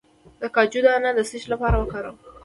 د کاجو دانه د څه لپاره وکاروم؟